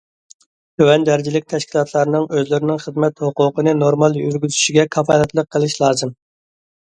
تۆۋەن دەرىجىلىك تەشكىلاتلارنىڭ ئۆزلىرىنىڭ خىزمەت ھوقۇقىنى نورمال يۈرگۈزۈشىگە كاپالەتلىك قىلىش لازىم.